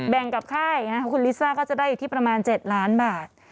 กับค่ายคุณลิซ่าก็จะได้อยู่ที่ประมาณ๗ล้านบาท